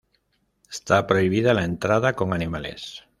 Está prohibida la entrada con animales.